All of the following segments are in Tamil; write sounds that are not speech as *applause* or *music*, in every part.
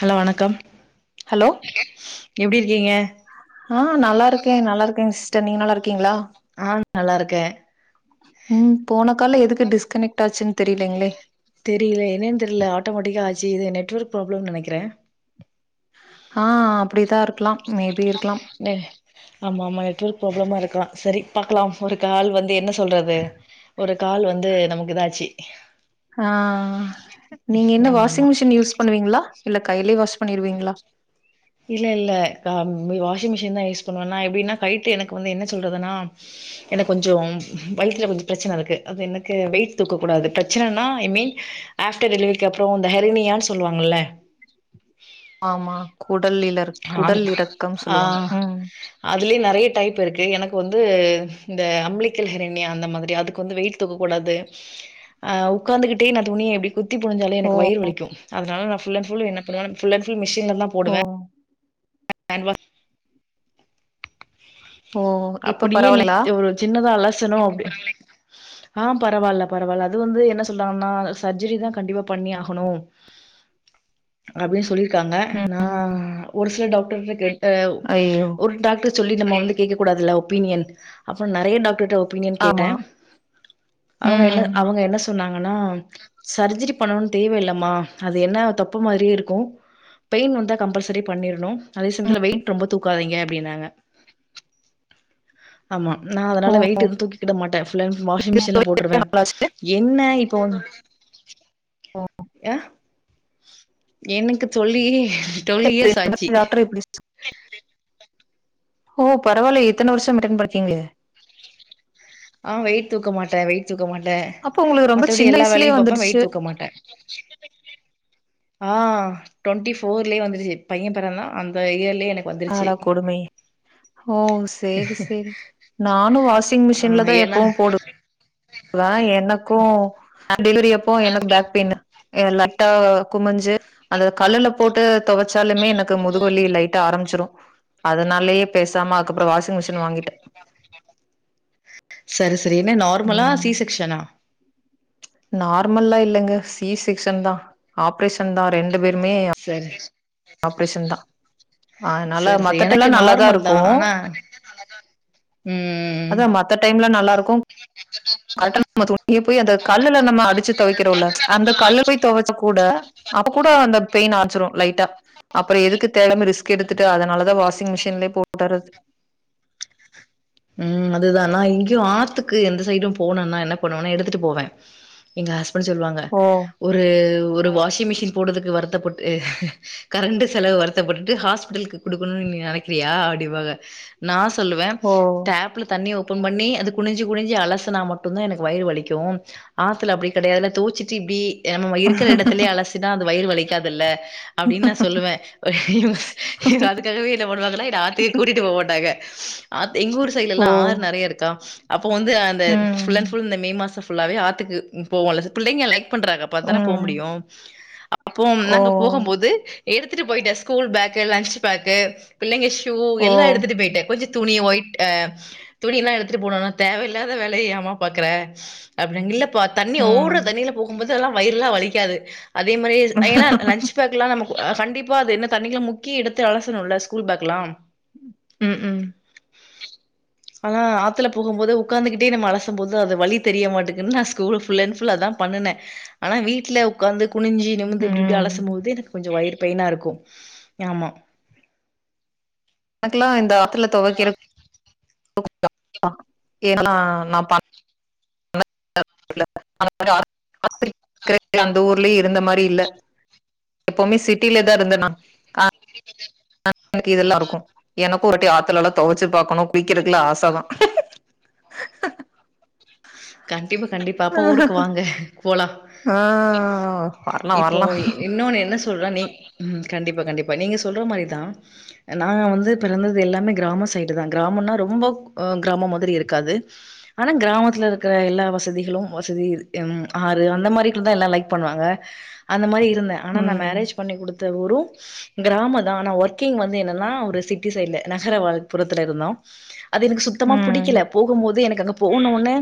ஹலோ வணக்கம் எப்டி இருக்கீங்க ஆங் நல்லாருக்கேன் நல்லாருக்கேன் சிஸ்டர் நீங்க நல்லா இருக்கீங்ளா ஆங் நல்லாருக்கேன் ம் போன கால்ல எதுக்கு டிஸ்கனெக்ட் ஆச்சுன்னு தெரியலங்களே தெரில என்னனு தெரில ஆட்டோமேட்டிக்கா ஆச்சு இது நெட்வொர்க் ப்ராப்ளம்னனு நெனைக்கிற ஆஹ் அப்படிதா இருக்கலா மே பி இருக் நெ ஆமா ஆமா நெட்வொர்க் ப்ராப்ளமா இருக்கலா சரி பார்க்கலாம் ஒரு கால் வந்து என்ன சொல்றது ஒரு கால் வந்து நமக்கு இதாச்சு ஆஹ் நீங்க என்ன ஆமா வாஷிங் ஆமா மிஷின் யூஸ் பண்ணுவீங்களா இல்ல கையிலயே வாஷ் பண்ணிருவீங்களா இல்ல இல்ல அ ம் மு வாஷிங் மிஷின் தான் யூஸ் பண்ணுவ நா எப்டின்னா ஹைட் எனக்கு வந்து என்ன சொல்றதுன்னா எனக்கு கொஞ்ச வயித்துல கொஞ்ச பிரச்சன இருக்கு அது எனக்கு வெயிட் தூக்க கூடாது பிரச்சனனா ஐ மீன் ஆஃப்டர் டெலிவரிக்கு அப்புற இந்த ஹெரினியான்னு சொல்லுவாங்கல்ல ஆமா குடல் இலர் ஆஹ குடல் இறக்கம் சொல்லுவாங்க ஆஹ் ம் அதுலயே நறைய டைப் இருக்கு அது எனக்கு வந்து இந்த அம்பிலிகல் ஹெர்னியா அந்த மாதிரி அதுக்கு வந்து வெயிட் தூக்கக்கூடாது அஹ் உட்காந்துகிட்டே நா துணிய எப்டி குத்தி புழுஞ்சாலே ஓ எனக்கு வயிறு வலிக்கு அதனால நா ஃபுல் அண்ட் ஃபுல் என்ன பண்ணுவாங்க ஃபுல் அண்ட் ஃபுல் மெஷின் தான் போடுவ ஓ *unintelligible* ஓ இப்ப அப்படியே பரவாயில்லைங்களா நித் ஒரு சின்னதால *unintelligible* ஆஹ் பரவாயில்ல பரவாயில்ல அது வந்து என்ன சொல்றாங்கன்னா சர்ஜரி தா கண்டிப்பா பண்ணி ஆகணு அப்டினு சொல்லி இருக்காங்க நா ம் ஒரு சில டாக்டர் கிட்ட கேட்ட ஐயோ ஒரு டாக்டர் சொல்லி நம் வந்து கேட்கக் கூடாதுல்ல ஒப்பினியன் அப்புற நறைய டாக்டர் ஒப்பினியன் கேட்ட ஆமா அவங்க என்ன ம் அவங்க என்ன சொன்னாங் ஆனா சர்ஜரி பண்ணணு தேவ ஆமா நா ஓ அதனால வெயிட் வந்து தூக்கிக்கிட மாட்ட ஃபுல் அண்ட் ஃபுல் வாஷிங் இது மிஷின்ல போட்டுருவ நல்லாச்சு. என்ன இப்ப வந்து ஓ ஹ எனக்கு சொல்லி டுவெல் இயர்ஸ் ஆச்சு *unintelligible* ஓ பரவாயில்ல இத்தன வருஷ மெயின்டெயின் பண்ணிரக்கீங்களே ஆஹ் வெயிட் தூக்க மாட்ட வெயிட் தூக்க மாட்ட அப்ப உங்களுக்கு ரொம்ப மத்தபடி சின்ன எல்லா வயசுலயே வேலையு பாப்ப வந்துடுச்சு வெயிட் தூக்க மாட்ட ஆஹ் டவென்டி போர்லயே வந்துருச்சு பையன் பிறந்த அந்த இயர்லயே எனக்கு வந்துருச்சு ஆடா கொடுமை ஓ சேரி சேரி நானு வாஷிங் ஆ மிஷின்ல தா ஏன்னா எப்பவு போடு ஹ எனக்கு ஹ டெலிவரி அப்போ எனக்கு பேக் பெயின் லட்டா குமிஞ்சு அந்த கல்லுல போட்டு துவைச்சாலுமே எனக்கு முதுகு வலி லைட்ட ஆரம்பிச்சிடு அதனாலேயே பேசாம அதுக்கப்புற வாஷிங் மிஷின் வாங்கிட்ட சரஸ் அது என்ன நார்மலா ம் சி செக்க்ஷனா நார்மல்லா இல்லைங்க சிசெக்க்ஷன் தான் ஆப்ரேஷன் தா ரெண் ரெண்டு பேருமே சரி ஆப்ரேஷன் தான் ஆனால சரி சரி மத்த எனக்கு டைம் நல்லாதான் நார்மல் தா இருக்கு ஆனா ம் அதான் மத்த டைம் நல்லா இருக்கு *unintelligible* போய் அந்த கல்லுல நம்ம அடிச்சு துவைகுறல்ல அந்த கல்ல போய் துவைச்ச கூட அப்ப கூட அந்த பெயின் ஆச்சிரும் லைட்டா அப்புறம் எதுக்கு தேடாம ரிஸ்க் எடுத்துட்டு அதனாலதான் வாஷிங் மிஷின்லயே போட்டறது உஹம் அதுதா நா இங்கேயும் ஆத்துக்கு எந்த சைடும் போனும்னா என்ன பண்ணுவும்னா எடுத்துட்டு போவன் எங்க ஹஸ் சொல்லுவாங்க ஓ ஒரு ஒரு வாஷிங் மிஷின் போடுதுக்கு வருத்தப்பட்டு கரண்டு செலவு வருத்தப்பட்டுட்டு ஹாஸ்பிடல்க்கு குடுக்கணுன்னு நீ நெனைக்கிறிய அப்டின் பாங்க சொல்லுவன் ஓ தண்ணி ஓபன் பண்ணி அது குனிஞ்சு குனிஞ்சி அலசனா மட்டு தான் எனக்கு வயிறு வலிக்கு ஆத்துல அப்டி கிடையாதுல தொவச்சுட்டு இப்டி நம்ம இருக்கிற எடத்துலயே அலசினா அது வயிறு வலிக்காதில்ல அப்படின்னு நான் சொல்லுவேன் அதுக்காகவே என்ன பண்ணுவாங்கனா என்ன ஆத்துக்கே கூட்டிட்டு போ மாட்டாங்க அத்து எங்கூர் ஓ எல்லா ஆறு நிறைய இருக்கா அப் அப்போ வந்து அந்த ம் ஃபுல்லன் ஃபுல் இந்த மே மாசம் ஃபுல்லாவே ஆத்துக்கு போவல பிள்ளைங்க லைக் பண்றாங்க அப்பத்தானே போக ம் முடியும் அப்போ ஓ நாங்க போகும்போது எடுத்துட்டு போயிட்டேன் ஸ்கூல் பேகு லன்ச் பேகு பிள்ளைங்க ஓ எல்லா எடுத்துட்டு போயிட்டன் கொஞ்ச துணி ஒய்ட் அஹ் துணில்லாம் எடுத்துட்டு போணுனா தேவையில்லாத வேலைய ஏமா பாக்குற தண்ணி ம் ஓடுற தண்ணியில போகும்போது எல்லாம் வயிறுலாம் வலிக்காது அதே மாதிரி ஏன்னா லன்ச் பேகலா நம்ம கண்டிப்பா அது என்ன தண்ணில முக்கி எடுத்து இடத்து அலசணும்ல்ல ஸ்கூல் பேக்லா உம் உம் ஆனா ஆத்துல போகும்போது உட்காந்துகிட்டே நம்ம அலசும் போது அது வலி தெரி மாட்டுக்குன்னு நான் ஸ்கூல் புல்லன் புல் அதான் பண்ணுன ஆனா வீட்டுல உட்காந்து குனுஞ்சு நிமுந்து இப்டி இப்டி ம் அலசும் போது எனக்கு கொஞ்சோ வயிறு பெயினா இருக்கும் ஆமா எனக்கெல்லா இந்த டத்துல துவக்கிற *inaudible* *inaudible* அந்த ஊர்லயும் இருந்த மாரி இல்ல எப்பவுமே சிட்டில தா இருந்தேனா *unintelligible* எனக்கு இதெல்லாம் இருக்கு எனக்கு ஒருட்டி ஆத்தல எல்ல துவைச்சு பார்கக்கணு குளிக்கறதுக்குலா ஆச தா கண் டிப்பா கண்டிப்பா அப்ப ஊருக்கு வாங்க போலா ஆ வர்லா இப்போ வர்லா இன்னொன்னு என்ன சொ சொல்றனே கண்டிப்பா கண்டிப்பா நீங்க சொல்ற மாரிதா நா வந்து பிறந்தது எல்லாமே கிராம சைடு தா கிராமம்னா ரொம்ப ஆ கிராமம் மாதிரி இருக்காது ஆனா கிராமத்துல இரு எல்லா வசதிகளும் வசதி ம் ஆறு அந்த மாரி தா எல்லா லைக் பண்ணுவாங்க அந்த மாரி இருந்த ஆனா நா ம் மேரேஜ் பண்ணி கொடுத்த ஊரு கிராம தா ஆனா ஒர்க்கிங் வந்து என்னன்னா ஒரு சிட்டி சைட்ல நகரப்புறத்துல இருந்தோ அது எனக்கு சுத்தமா ம் பிடிக்கல போகும் போது எனக்கு அங்க போண்ண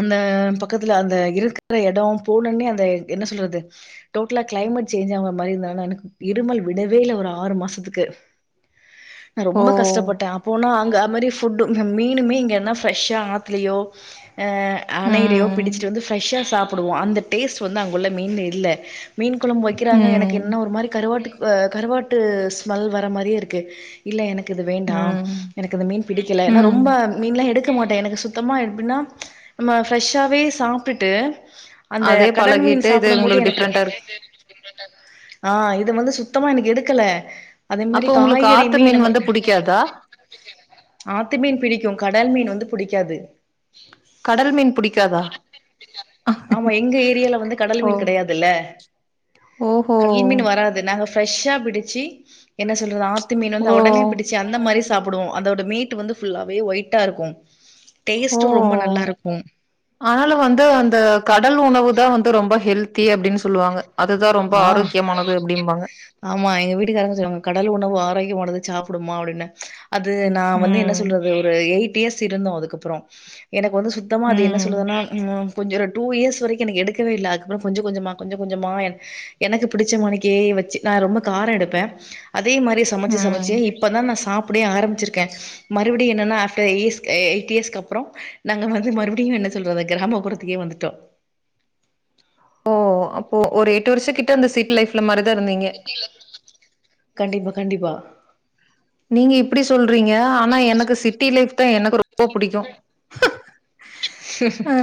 அந்த பக்கத்துல அந்த இருக்கிற இடம் போணுடனே அந்த என்ன சொல்றது டோட்டலா கிளைமேட் செஞ்ச் ஆகுற மாரி இருந்தனா எனக்கு இருமல் விடவே இல்ல ஒரு ஆறு மாசத்துக்கு நா ஓ ரொம்ப கஷ்டப்பட்ட அப்போனா அங்க அந்த மாரி ஃபுட்டு மீனுமே இங்கேன ஃப்ரெஷா ஆத்துலயோ ஆ அணையிலையோ ம் பிடிச்சிட்டு வந்து ஃப்ரெஷ்ஷா சாப்பிட போடுவோ அந்த டேஸ்ட் வந்து அங்கே உள்ள மீன்ல இல்ல மீன் குழம்பு வைக்கிறாங்க எனக்கு ம் என்ன ஒரு மாரி கருவாட்டு ஆ கருவாட்டு ஸ்மெல் வர மாரியே இருக்கு இல்ல எனக்கு எனக்கு இது வேண்டாம் ம் எனக்கு இந்த மீன் பிடிக்கல ம் ரொம்ப மீன்லா எடுக் க்க மாட்ட எனக்கு சுத்தமா அப்படின்னா நம்ம ஃப்ரெஷ்ஷாவே சாப்ட்டுட்டு அந்த அதே கடல் மீன் பழகிட்டு இது சாப்பிடும் போது உங்களுக்கு எனக்கு டிஃப்ரெண்டா இருக்கு ஆஹ் இது வந்து சுத்தமா எனக்கு எடுக்கல அதே மாரி அப்ப உங்களுக்கு ஆத்து காய்கறிமே மீன் நம்ம வந்து புடிக்காதா ஆத்து மீன் பிடிக்கு கடல் மீன் வந்து புடிக்காது கடல் மீன் பிடிக்காதா ஆமா எங்க ஏரியால வந்து கடல் ஓ மீன் கிடையாதில்ல ஓஹோ கடல் மீன் வராது நாங் ஃபரெஷ்ஷா பிடிச்சு என்ன சொல்றது ஆத் து மீன் ஓ வந்து உடனே பிடிச்சு அந்த மாரி சாப்பிடுவோ அதோட மீட்டு வந்து ஃபுல்லாவே ஒயிட்டா இருக்கு ஓ டேஸ்ட்டு ரொம்ப நல்லா இருக்கு ஆனாலு வந்து அந்த கடல் உணவுதா வந்து ரொம்ப ஹெல் தி அப்டின்னு சொல்லுவாங்க அதுதா ரொம்ப ஆ ஆரோக்கியமானது அப்டிம்பாங்க ஆமா எங்க வீட்டுகாரங்க சொல்லுவாங்க கடல் உணவு ஆரோக்கியமானது சாப்புடுமா அப்டின்னே அது நா வந்து என்ன ம் சொல்றது ஒரு எய்ட் டி எஸ் இருந்தோ அதுக்கப்பறோ எனக் வந்து சுத்தமா அது என்ன ம் சொல்லுதுனா உம் *unintelligible* டூ ஈர்ஸ் வரைக்கு எனக்கு எடுக்கவே இல்ல அதுகப்பறோ கொஞ்ச கொஞ்சமா கொஞ்ச கொஞ்சமா என் எனக்கு புடிச்ச மாணிக்கே வெச்சு நா ரொம்ப காரோ எடுப்பே அதே மாரி சமச்சு ம் சமச்சு இப்பதா நா சாப் ப்டே ஆரமிச்சிருக்கே மறுபடியு என்னென்னா ஆஃப்டர் எயிஸ்க் ஏய் ஏய்ட் ஈயர்ஸ்க்கு அப்புறோ நாங்க வந்து மறுபடியு என்ன சொல்றது கிராகமப்புறத்துக்கே வந்துட்டோ ஓ அப்போ ஒரு எட்டு வருஷ கிட்ட அந்த சிட்டி லைஃப்ல மற *inaudible* கண்டிப்பா கண்டிப்பா நீங்க இப்டி சொல் றீங்க ஆனா எனக்கு சிட்டி லைஃப் தா எனக்கு ரொம்ப புடிக்கோ ஆ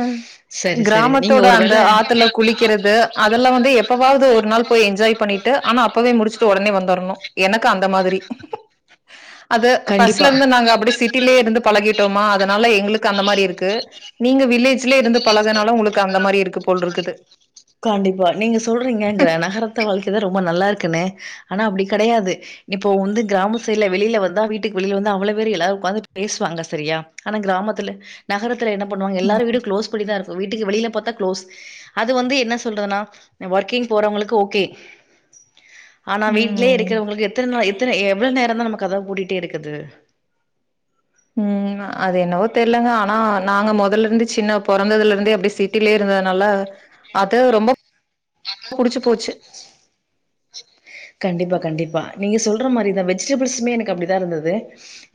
சரி சரி நீங்க கிராமத்தோட ஒரு அந்த வேள ஆத்துல குளிக்கிறது அதெல்லா வந்து எப்பவாவது ஒரு நாள் போய் என்ஜாய் பண்ணிட்டு ஆமா அப்பவே முடிச்சுட்டு ஒடனே வந்துர்ணு எனக்கு அந் த மாதிரி அது கண்டிப்பா ஃபர்ஸ்ட்ல இருந்து நாங்க அப்டே சிட்டிலே இருந்து பழகி டோமா அதனால எங்குளுக்கு அந்த மாரி இருக்கு நீங்க வில்லேஜ்ல இருந்து பழகனால உங்குளுக்கு அந்த மாரி இருக்கு போல் இருக்குது கண்டிப்பா நீங்க சொல்றீங்கங்கிற நகரத்த வாழ்கைதா ரொம்ப நல்லா இருக்குன்னு ஆனா அப்டி கெடையாது இப்ப வந்து கிராம சைட்ல வெளில வந்தா வீட்டுக்கு வெளிய வந்தா அவ்வளவேறு எல்லாரு உக்காந்து பேசுவாங்க செரியா ஆனா கிராமத்துல நகரத் தல என்ன பண்ணுவாங்க எல்லாரு வீடு க்ளோஸ் பண்ணிதா இருக்கோ வீட் டுக்கு வெளில பாத்தா க்ளோஸ் அது வந்து என்ன சொல்றதுனா ஒர்க்கிங் போறவங்களுக்கு ஓகே ஆனா வீட்லயே ம் இருக்கிறவுங்களுக்கு எத்தன நாள் எ தன எவ்ளோ நேரோ தா நம்ம கதவ பூட்டிட்டே இருக்குது உம் அது என்னவோ தெர்லங்க ஆனா நாங்க மொதல்ல இருந்து சின்ன பொறந்ததுல இருந்தே அப்டே சிட்டிலே இருந்ததுனால அத ரொம்ப புடிச்சு போச்சு கண்டிப்பா கண்டிப்பா நீங்க சொல் ற மாரிதா வெஜிடபிள்சுமே எனக்கு அப்டிதா இருந்தது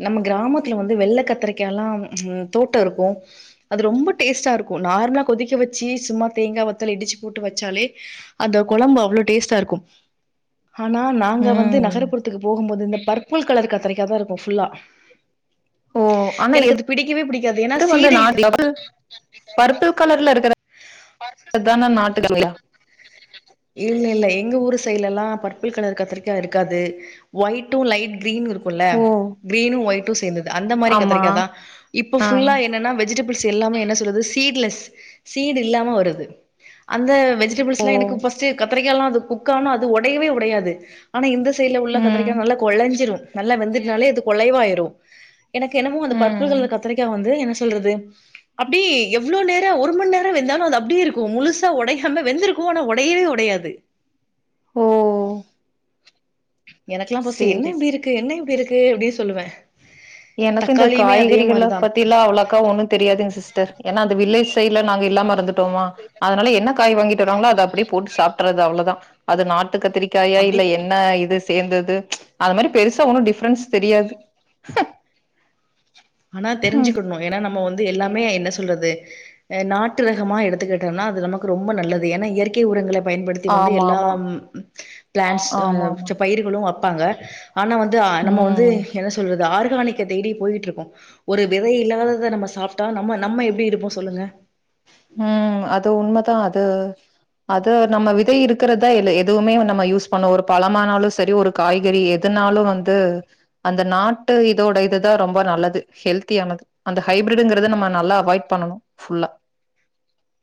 நம்ம கிராமத்தியு வந்து வெள்ள கத்திரிக்காலா உம் தோட்டோ இருக்கோ அது ரொம்ப டேஸ்ட்டா இருக்கோ நார்மலா கொதிக்க வெச்சு சும்மா தேங்கா வத்தல இடிச்சு போட்டு வெச்சாலே அந்த கொழம்பு அவ்ளோ டேஸ்டா இருக்கோ ஆனா நாங்க வந்து ம் நகரபுறத்துக்கு போகும் போது இந்த பருப் புல் கலர் கத்திரிக்காதா இருக்கு ஃபுல்லா ஓ ஆனா *inaudible* எனக்கு அது பிடிக்கவே பிடிக்காது. ஏன்னா சீடே பர்பிள் கலர்ல இருக்கிற தான நாட்டு *inaudible* இல்ல இல்ல எங்க ஊரு சைட்லல்லா பர்பிள் கலர் கத்திரிக்கா இருக்காது ஒயிட்டு லைட் கிரீன் இருக்குல்ல ஓ கிரீனு ஒய்ட்டு சேந்தது அந்த மாரி ஆமா கத்திரிக்காதா இப்ப ஆ ஃபுல்லா என்னன்னா வெஜிட வெஜிடப் பிள்ஸ் எல்லாமே என்ன சொல்லது சீட்லெஸ் சீடு இல்லாம வருது அந்த ஓ வெஜிடபிள்ஸ்லா எனக்கு ஃபஸ்ட்டு கத்தரிக் கெல்லா அது குக்கானா அது ஒ டையவே உடையாது ஆனா இந்த சைட்ல உள்ள ம் கத்தரிக்கா நல்ல கொழஞ்சிரு நல்லா வெந்துட்னாலே அது கொழைவாயிரு எனக்கு என்னமோ அந்த பர்பிள் ம் கலர் கத்தரிக்கா வந்து எனக் சொல்றது அப்டி எவ்ளோ நேர ஒரு மண் நேர வெந்தாலு அது அப்டியே இருக்கு முழுசா ஒடையாம வெந்திருக்கூ ஆனா ஒடையவே ஒடையாது ஓ எனக்குலா ஃபஸ்டு என்ன சேரி இப்டி இருக்கு என்ன இப்டி இருக் கு அப்டி சொல்லுவே எனக்கு இந்த தக்காளியுமே அதே காய்கறிகள மாரிதா பத்திலா அவ்ளாக்கா ஒன்னு தெரியாதுங்க சிஸ் டர் ஏன்னா அந்த வில்லேஜ் சைட்ல நாங்க இல்லாமருந்து டோமா அதனால என்ன காய் வாங்கிட்டு வராங்களோ அத அப்டியே போட்டு சாப்ட்றது அவ்ளதா அது நா ட்டு கத்திரிக்காயா அப்டி இல்ல என்ன இது ஸ் தேந்தது அந்த மாரி பெருசா ஒன்னு டிஃப்ரெண்ஸ் தெரியாது ஆனா தெரிஞ்சுக்கிட்ணு ஏனா நம் மோ வந்து எல்லாமே என்ன சொல்றது அ நாட்டு ரகமா எடுத்துக்கிட்டம்னா அது நமக்கு ரொம்ப நல்லது எனா இயற்கை உரங்கள பயன்படுத்தி வந்து ஆமா எல்லா ஆமா ம் ப் ப்ளான்ஸ் அ ஆமா ஆமா ச்ச பயிர்களு அ பாங்க ஆனா வந்து அ நம்ம வந்து ம் என்ன சொல்றது ஆர் காணிக்க தேடி போயிட்டுருக்கோ ஒரு விதை இல்லாதத நம்ம சாப்ட்டா நம்ம நம்ம எப்டி இருப்போ சொல்லுங்க உம் அது உண்மதா அது அது நம்ம விதை இருக்கறத்தா இல்ல எதுவுமே நம்ம யூஸ் பண்ணு ஒரு பழமானாலு செரி ஒரு காய்கறி எதுனாலு வந்து அந்த நாட்டு இதோட இதுதா ரொம்ப நல்லது ஹெல்த்தியானது அந்த ஹைப்ரிடுங்கறத நம்ம நல்லா அவாய்ட் பண்ணணு ஃபுல்லா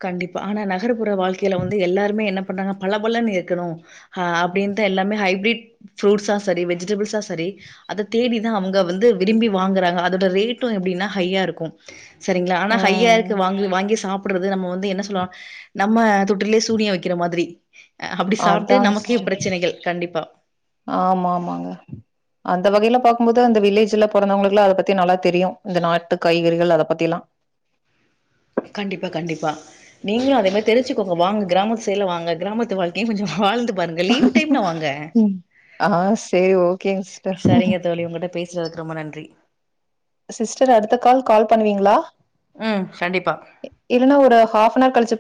கண்டிப்பா ஆனா நகர்ப்புற வாழ்க்கையில வந்து எல்லாருமே என்ன பண்றாங்க பல பலன்னு இருக்கணு ஆ அப்டின்ட்டு எல்லாமே ஹைபிரிட் ஃப்ரூட்ஸா சரி வெஜிடபிள்ஸா சரி அத தேடிதா அவுங்க வந்து விரும்பி வாங்குறாங்க அதோட ரேட்டு எப்டின்னா ஹையா இருக்கும் சரிங்களா ஆனா ஹையா இருக்கு வாங்கு வாங்கி சாப் து நம்ம வந்து என்ன சொல்லா நம்ம துட்டுலேயே சூனிய வெக்கிற மாதிரி அ அப்டி சாப்ட்டு அதாங் நமக்கே சிஸ்ட பிரச்சனைகள். கண்டிப்பா. ஆமாமாங்க அந்த வகையில பாக்கும்போது அந்த வில்லேஜ்ல பொறந்தவங்களுக்குலா அத பத்தி நல்லா தெரியு இந்த நாட்டு காய்கறிகள் அத பத்தி எல்லா கண்டிப்பா கண்டிப்பா நீங்களு அதே மாரி தெரிச்சுக்கோங்க வாங்க கிராமத்து சைட்ல வாங்க கிராமத்து வாழ்க்கையு கொஞ்சோ வாழ்ந்துப் ஆ சரி ஓகேங்க சிஸ்டர் ஜேக்கு ரொம்ப நன்றி சிஸ்டர் அடுத்த கால் கால் பண்ணுவீங்களா? ம் கண்டிப்பா இல்லன்னா ஒரு ஹாஃப் ஃபனார் கழிச்சு